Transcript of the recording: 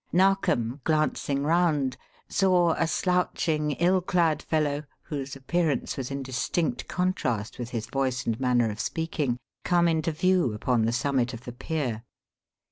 Narkom, glancing round, saw a slouching, ill clad fellow whose appearance was in distinct contrast with his voice and manner of speaking, come into view upon the summit of the pier.